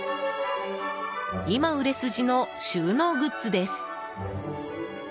今、売れ筋の収納グッズです。